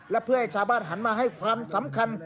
และเพื่อให้ชาวบ้านหันมาให้ความสำคัญ